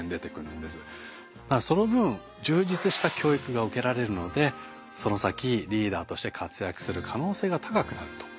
その分充実した教育が受けられるのでその先リーダーとして活躍する可能性が高くなると。